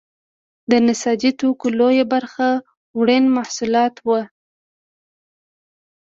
د نساجي توکو لویه برخه وړین محصولات وو.